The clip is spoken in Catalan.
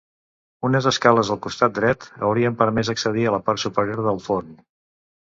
Unes escales al costat dret, haurien permès accedir a la part superior del forn.